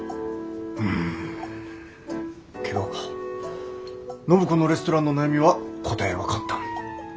うんけど暢子のレストランの悩みは答えは簡単。